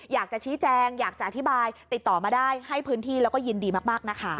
อยากจะชี้แจงอยากจะอธิบายติดต่อมาได้ให้พื้นที่แล้วก็ยินดีมากนะคะ